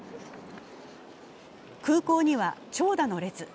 空港には長蛇の列。